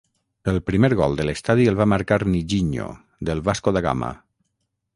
El primer gol de l'estadi el va marcar Niginho, del Vasco da Gama.